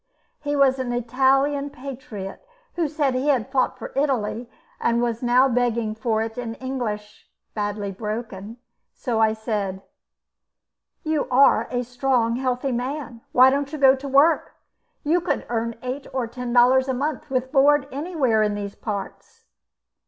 He was an Italian patriot, who said he had fought for Italy; he was now begging for it in English, badly broken, so I said: "You are a strong, healthy man; why don't you go to work? You could earn eight or ten dollars a month, with board, anywhere in these parts."